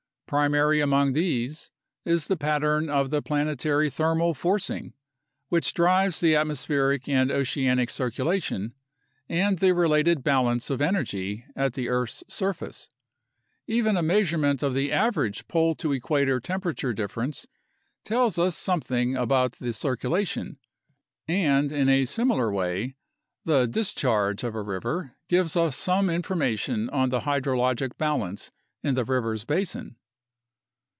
Primary among these is the pattern of the planetary thermal forcing, which drives the atmospheric and oceanic circulation, and the related balance of energy at the earth's surface. Even a measurement of the average pole to equator temperature difference tells us something about the circulation; and, in a similar way, the discharge of a river gives us some information on the hydrologic balance in the river's basin.